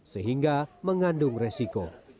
sehingga mengandung resiko